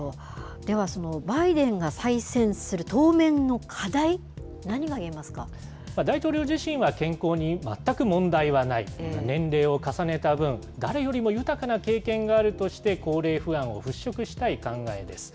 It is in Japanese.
では、そのバイデンが再選する、大統領自身は、健康に全く問題はない、年齢を重ねた分、誰よりも豊かな経験があるとして、高齢不安を払拭したい考えです。